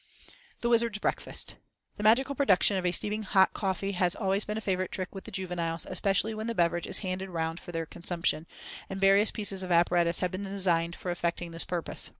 The Wizard's Breakfast.—The magical production of steaming hot coffee has always been a favorite trick with the juveniles, especially when the beverage is handed round for their consumption, and various pieces of apparatus have been designed for effecting this purpose.